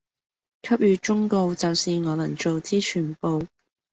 給予忠告就是我能做之全部